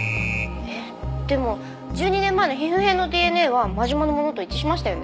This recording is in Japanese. えっでも１２年前の皮膚片のＤＮＡは真島のものと一致しましたよね？